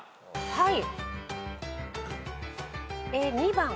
はい。